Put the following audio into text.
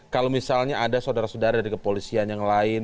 kalau misalnya ada saudara saudara dari kepolisian yang lain